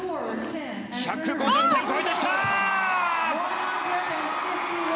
１５０点を超えてきた！